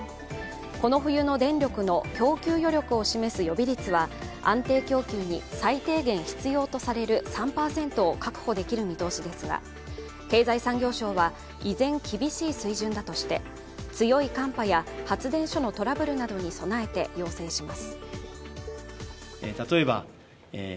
この冬の電力の供給余力を示す予備率は安定供給に最低限必要とされる３％を確保できる見通しですが経済産業省は依然厳しい水準だとして、強い寒波や発電所のトラブルなどに備えて要請します。